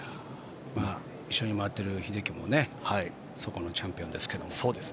一緒に回っている英樹もそこのチャンピオンですけど。